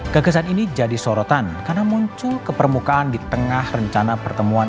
kegesan ini jadi sorotan karena muncul kepermukaan di tengah rencana pertemuan